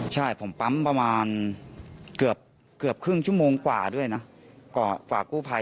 ใช่ผมปั๊มประมาณเกือบครึ่งชั่วโมงกว่าด้วยนะ